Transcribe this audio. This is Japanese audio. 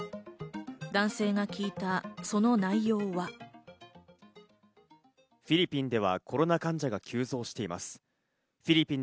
男性が聞いた、その内容は。